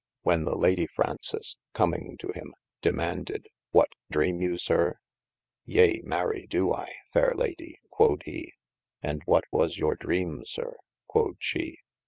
When the Lady Fraunces, coming to him, demaunded, what dream you sir ? Yea mary doe I fayre Lady (quod he). And what was your dream, sir (quod she)